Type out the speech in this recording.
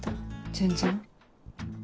全然。